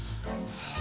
はあ。